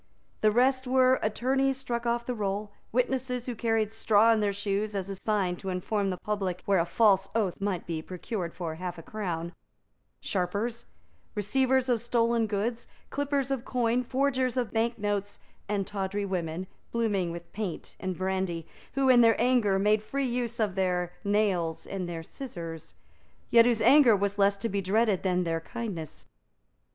The rest were attorneys struck off the roll, witnesses who carried straw in their shoes as a sign to inform the public where a false oath might be procured for half a crown, sharpers, receivers of stolen goods, clippers of coin, forgers of bank notes, and tawdry women, blooming with paint and brandy, who, in their anger, made free use of their nails and their scissors, yet whose anger was less to be dreaded than their kindness.